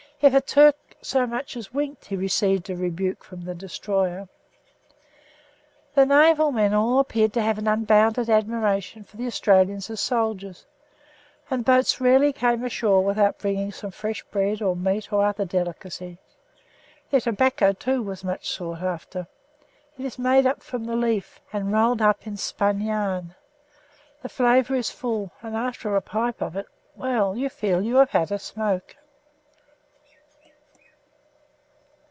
If a Turk so much as winked he received a rebuke from the destroyer. The Naval men all appeared to have an unbounded admiration for the Australians as soldiers, and boats rarely came ashore without bringing some fresh bread or meat or other delicacy; their tobacco, too, was much sought after. It is made up from the leaf, and rolled up in spun yarn. The flavour is full, and after a pipe of it well, you feel that you have had a smoke.